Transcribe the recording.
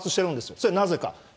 それはなぜか。